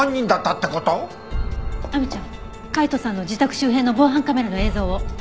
亜美ちゃん海斗さんの自宅周辺の防犯カメラの映像を。